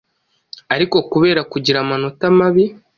ariko kubera kugira amanota mabi,